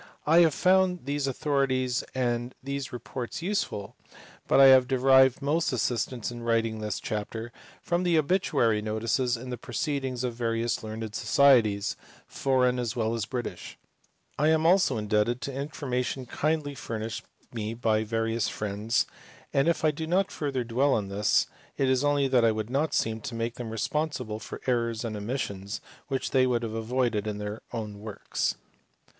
I have found these authorities and these reports useful, but I have derived most assistance in writing this chapter from the obituary notices in the proceedings of various learned Societies, foreign as well as British; I am also in debted to information kindly furnished me by various friends, and if I do not further dwell on this, it is only that I would not seem to make them responsible for errors and omissions which they would have avoided in their own works.